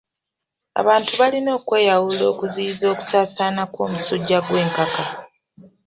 Abantu balina okweyawula okuziyiza okusaasaana kw'omusujja gw'enkaka.